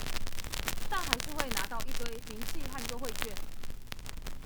但還是會拿到一堆明細和優惠券